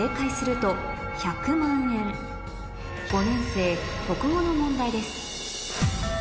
５年生国語の問題です